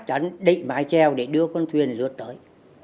chắc chắn định mái trèo để đưa con thuyền lượt tới